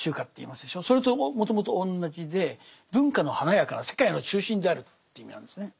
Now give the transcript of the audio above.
それともともと同じで文化の華やかな世界の中心であるという意味なんですね。